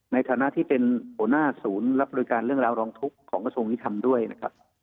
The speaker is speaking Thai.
ในฐานะที่เป็นหัวหน้าศูนย์รับบริการเรื่องราวร้องทุกข์ของกระทรวงยุทธรรมด้วยนะครับ